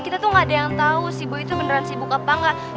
kita tuh nggak ada yang tahu si boy itu beneran sibuk apa nggak